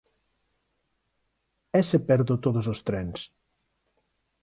E se perdo todos os trens?